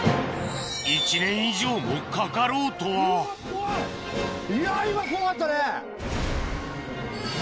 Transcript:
１年以上もかかろうとはいや今怖かったね。